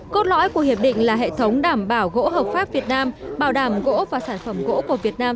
cốt lõi của hiệp định là hệ thống đảm bảo gỗ hợp pháp việt nam bảo đảm gỗ và sản phẩm gỗ của việt nam